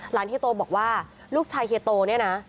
เฮียโตบอกว่าลูกชายเฮียโตเนี่ยนะ